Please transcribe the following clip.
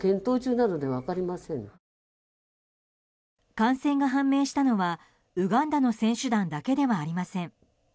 感染が判明したのはウガンダの選手団だけではありません。